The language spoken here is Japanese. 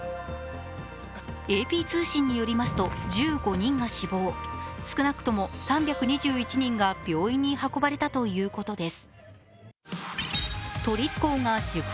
ＡＰ通信によりますと１５人が死亡、少なくとも３２１人が病院に運ばれたということです。